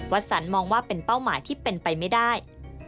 สันมองว่าเป็นเป้าหมายที่เป็นไปไม่ได้